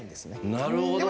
なるほど。